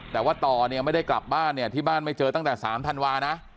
แต่ว่าต่อเนี่ยไม่ได้กลับบ้านเนี่ยที่บ้านไม่เจอตั้งแต่๓ธันวานะ